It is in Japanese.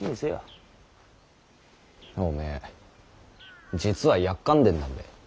おめえ実はやっかんでんだんべ。